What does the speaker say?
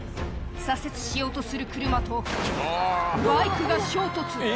左折しようとする車とバイクが衝突。